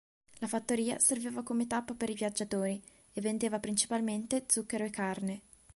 La fattoria serviva come tappa per i viaggiatori, e vendeva principalmente zucchero e carne.